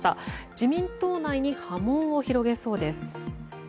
自民党内に波紋を広げそうです。